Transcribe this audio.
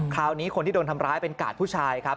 คราวนี้คนที่โดนทำร้ายเป็นกาดผู้ชายครับ